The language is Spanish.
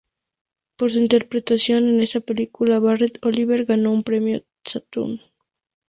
Por su interpretación en esta película, Barret Oliver ganó un Premio Saturn.